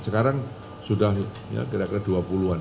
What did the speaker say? sekarang sudah ya kira kira dua puluh an